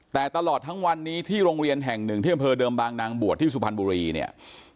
แต่ตลอดทั้งวันนี้ที่โรงเรียนแห่งหนึ่งที่อำเภอเดิมบางนางบวชที่สุพรรณบุรีเนี่ย